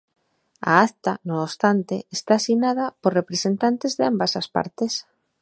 A acta, non obstante, está asinada por representantes de ambas as partes.